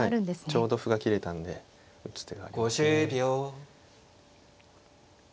ちょうど歩が切れたんで打つ手がありますね。